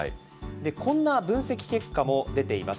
こんな分析結果も出ています。